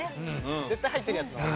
絶対入ってるやつの方が。